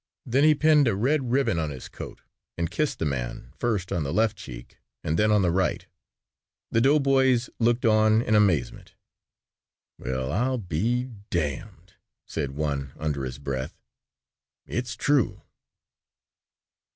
Then he pinned a red ribbon on his coat and kissed the man first on the left cheek and then on the right. The doughboys looked on in amazement. "Well, I'll be damned," said one under his breath, "it's true."